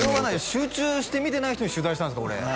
集中して見てない人に取材したんですか？